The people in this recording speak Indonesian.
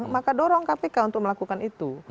maka dorong kpk untuk melakukan itu